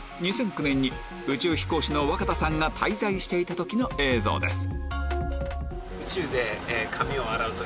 ２００９年に宇宙飛行士の若田さんが滞在していた時の映像です